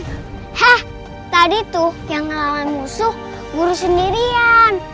hah tadi tuh yang melawan musuh guru sendirian